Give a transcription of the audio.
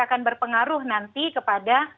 akan berpengaruh nanti kepada